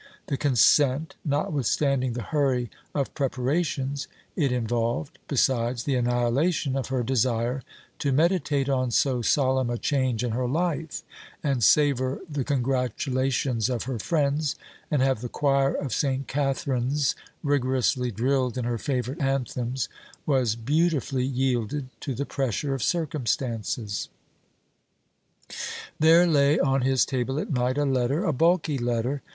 The consent, notwithstanding the hurry of preparations, it involved, besides the annihilation of her desire to meditate on so solemn a change in her life and savour the congratulations of her friends and have the choir of St. Catherine's rigorously drilled in her favourite anthems was beautifully yielded to the pressure of circumstances. There lay on his table at night a letter; a bulky letter.